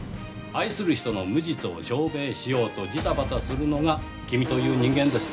愛する人の無実を証明しようとじたばたするのが君という人間です。